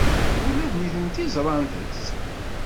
Ula d nitenti ẓrant-t.